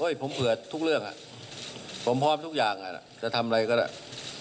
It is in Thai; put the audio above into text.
ผมเผื่อทุกเรื่องอ่ะผมพร้อมทุกอย่างจะทำอะไรก็ได้